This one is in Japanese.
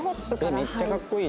めっちゃかっこいい。